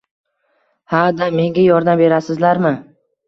Ha da...Menga yordam berasizlarmi?